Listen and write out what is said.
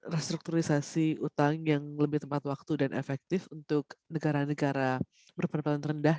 restrukturisasi utang yang lebih tepat waktu dan efektif untuk negara negara berperan rendah